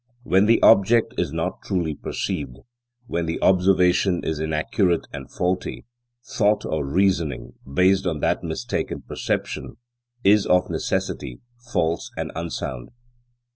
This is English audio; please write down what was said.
When the object is not truly perceived, when the observation is inaccurate and faulty, thought or reasoning based on that mistaken perception is of necessity false and unsound.